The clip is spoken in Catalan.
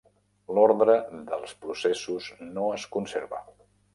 L'ordre dels processos no es conserva.